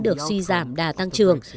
được suy giảm đà tăng trưởng